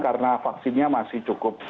karena vaksinnya masih cukup terbatas